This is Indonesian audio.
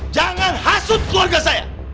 jangan hasut keluarga saya